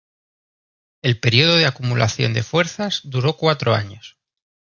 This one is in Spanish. El periodo de acumulación de fuerzas duró cuatro años.